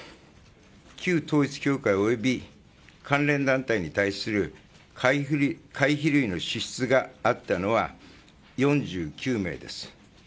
旧統一教会および関連団体に対する会費類の支出があったのは４９名です。